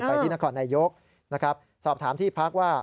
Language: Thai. ที่นครนายกนะครับสอบถามที่พักว่า